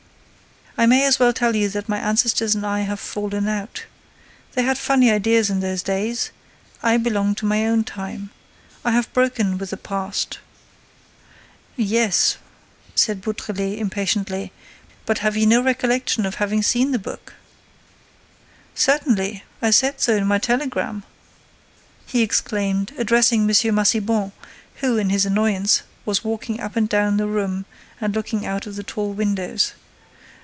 "I may as well tell you that my ancestors and I have fallen out. They had funny ideas in those days. I belong to my own time. I have broken with the past." "Yes," said Beautrelet, impatiently, "but have you no recollection of having seen the book?—" "Certainly, I said so in my telegram," he exclaimed, addressing M. Massiban, who, in his annoyance, was walking up and down the room and looking out of the tall windows.